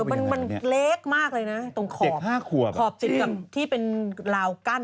แต่มันเล็กมากเลยนะตรงขอบขอบติดกับที่เป็นราวกั้น